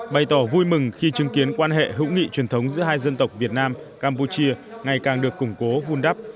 bày tỏ vui mừng khi chứng kiến quan hệ hữu nghị truyền thống giữa hai dân tộc việt nam campuchia ngày càng được củng cố vun đắp